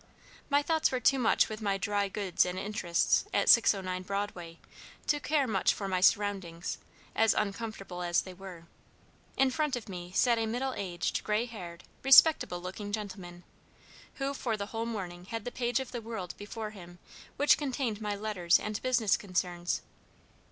My thoughts were too much with my 'dry goods and interests' at 609 Broadway, to care much for my surroundings, as uncomfortable as they were. In front of me sat a middle aged, gray haired, respectable looking gentleman, who, for the whole morning, had the page of the World before him which contained my letters and business concerns.